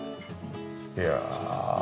いや。